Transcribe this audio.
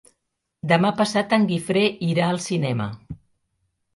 Demà passat en Guifré irà al cinema.